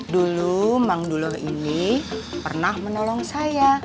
dulu bang duluh ini pernah menolong saya